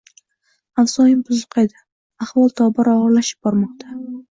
Avzoyim buzuq edi — ahvol tobora og‘irlashib bormoqda